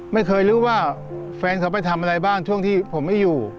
ไม่รู้ว่าแฟนเขาไปทำอะไรบ้างช่วงที่ผมไม่อยู่